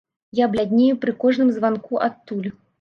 Я бляднею пры кожным званку адтуль.